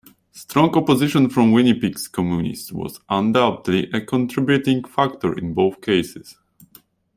Strong opposition from Winnipeg's Communists was undoubtedly a contributing factor in both cases.